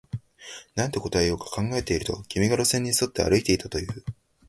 なんて答えようか考えていると、君が電線に沿って歩いていたと言う